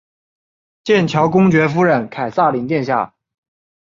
剑桥公爵夫人凯萨琳殿下。